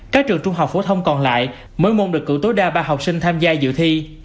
các trường trung học phổ thông còn lại mới môn được cử tối đa ba học sinh tham gia dự thi